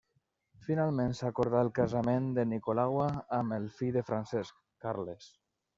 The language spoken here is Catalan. Finalment s'acordà el casament de Nicolaua amb el fill de Francesc, Carles.